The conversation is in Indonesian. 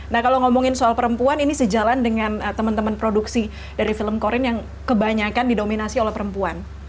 nah kalau ngomongin soal perempuan ini sejalan dengan teman teman produksi dari film corin yang kebanyakan didominasi oleh perempuan